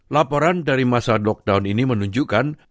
laporan dari masa lockdown ini menunjukkan